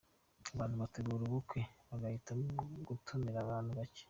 abantu bategura ubukwe bagahitamo gutumira abantu bake.